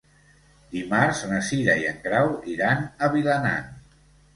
Dimarts na Cira i en Grau iran a Vilanant.